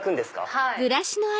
はい。